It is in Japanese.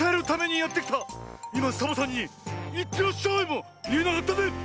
いまサボさんに「いってらっしゃい」もいえなかったね。